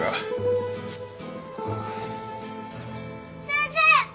先生！